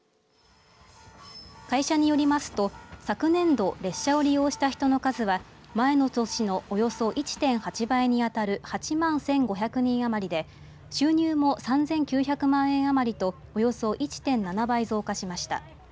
会社によりますと、昨年度列車を利用した人の数は前の年のおよそ１．８倍に当たる８万１５００人余りで収入も３９００万円余りとおよそ１．７倍増加しました。